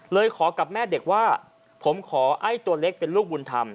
ขอกับแม่เด็กว่าผมขอไอ้ตัวเล็กเป็นลูกบุญธรรม